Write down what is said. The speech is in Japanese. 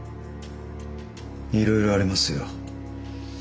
いろいろありますよ。